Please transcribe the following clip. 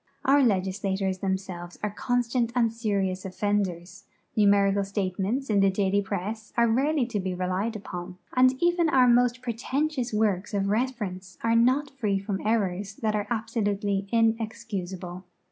Our legislators themselves are < onstant and serious offenders, numerical statements in tlie daily press are rarely to be relied u}wn, and even our most pretentious works of reference are not free from errors that are absolutely inexcusable.